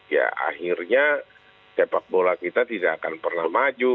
ya akhirnya sepak bola kita tidak akan pernah maju